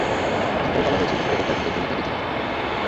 খবরে বলা হয়েছে, অধিকতর তদন্তের জন্য তাঁকে জিজ্ঞাসাবাদ করা হতে পারে।